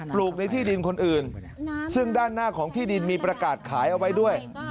ลูกในที่ดินคนอื่นซึ่งด้านหน้าของที่ดินมีประกาศขายเอาไว้ด้วย